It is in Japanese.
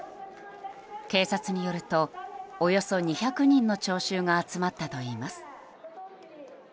警察によると、およそ２００人の聴衆が集まったといいます。